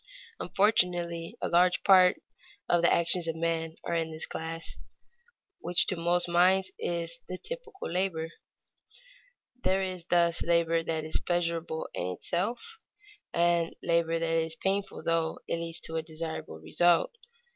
Unfortunately a large part of the actions of men are of this class, which to most minds is the typical labor. [Sidenote: Joy in work is the ideal] There is thus labor that is pleasurable in itself and labor that is painful though it leads to a desirable result.